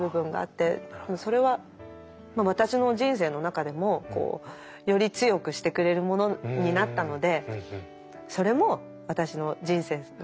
それは私の人生の中でもより強くしてくれるものになったのでそれも私の人生の糧だと思ってます。